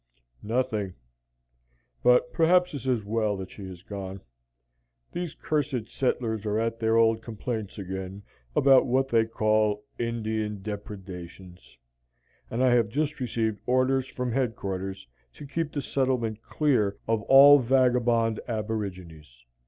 "Nothing, but perhaps it's as well that she has gone. These cursed settlers are at their old complaints again about what they call 'Indian depredations,' and I have just received orders from head quarters to keep the settlement clear of all vagabond aborigines.